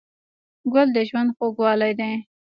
ګل د ژوند خوږوالی دی.